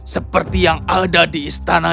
seperti yang ada di istana